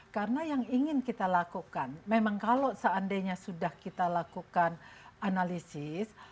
karena yang ingin kita lakukan memang kalau seandainya sudah kita lakukan analisis